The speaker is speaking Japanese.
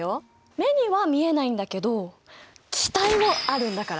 目には見えないんだけど気体もあるんだから！